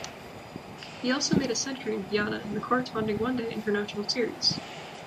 He also made a century in Guyana in the corresponding one-day international series.